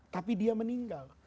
tapi dia meninggal